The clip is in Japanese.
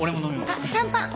あっシャンパン。